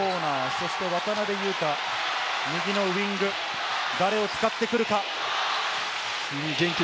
そして渡邊雄太、右のウイング、誰を使ってくるか。